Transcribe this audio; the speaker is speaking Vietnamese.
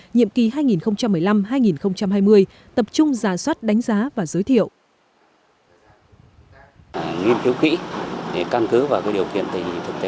nhiệm kỳ hai nghìn một mươi năm hai nghìn hai mươi tập trung giả soát đánh giá và giới thiệu